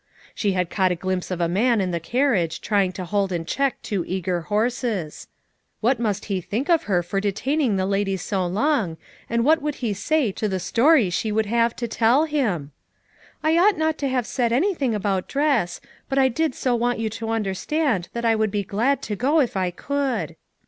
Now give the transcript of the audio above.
She had caught a glimpse of a man in the carriage trying to hold in check two eager horses; what must he think of her for detain ing the lady so long, and what would he say to the story she would have to tell him! "I ought not to have said anything about dress, but I did so want you to understand that I would be glad to go if I could."